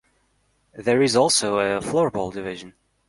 There is also a floorball division.